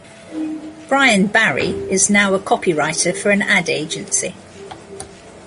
Brian Barry is now a copywriter for an ad agency.